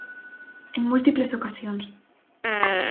En múltiples ocasións.